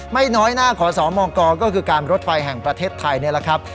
ไม่น้อยหน้าขอสมกก็คือการรถไฟแห่งประเทศไทยนี่แหละครับ